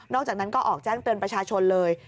อกจากนั้นก็ออกแจ้งเตือนประชาชนเลย